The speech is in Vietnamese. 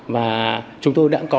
và chúng tôi đã có những cảm ơn